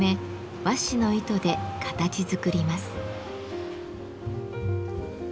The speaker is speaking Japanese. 和紙の糸で形づくります。